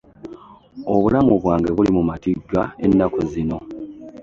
Obulamu bwange buli mu matigga ennaku zino.